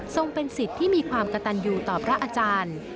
เป็นสิทธิ์ที่มีความกระตันอยู่ต่อพระอาจารย์